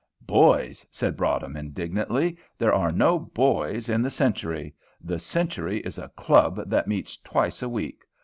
"Boys!" said Broadhem, indignantly; "there are no boys in the 'Century;' the 'Century' is a club that meets twice a week.